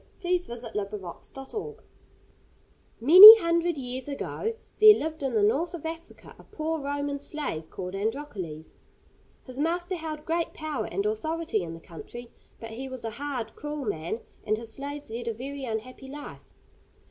THE STORY OF ANDROCLES AND THE LION Many hundred years ago, there lived in the north of Africa a poor Roman slave called Androcles. His master held great power and authority in the country, but he was a hard, cruel man, and his slaves led a very unhappy life.